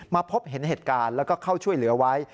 พบเห็นเหตุการณ์แล้วก็เข้าช่วยเหลือไว้